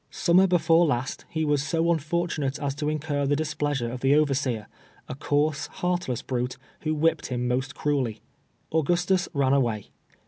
Summer before last he was so unfortunate as to incur the displeasure of the overseer, a coarse, heartless brute, who whipped him most cruelly. Au gustus ran away.